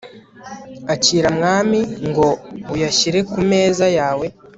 akira, mwami), ngo uyashyire ku meza yawe